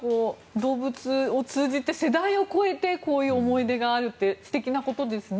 動物を通じて、世代を超えてこういう思い出があるって素敵なことですね。